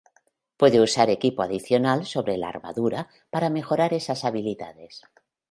Puede usar equipo adicional sobre la armadura para mejorar esas habilidades.